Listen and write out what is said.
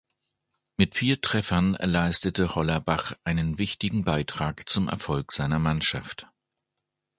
Mit vier Treffern leistete Hollerbach einen wichtigen Beitrag zum Erfolg seine Mannschaft.